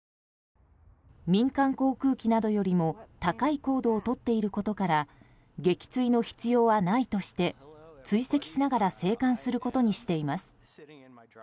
民間航空機などよりも高い高度を取っていることから撃墜の必要はないとして追跡しながら静観することにしています。